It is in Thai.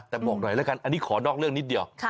แต่บอกหน่อยแล้วกันอันนี้ขอนอกเรื่องนิดเดียว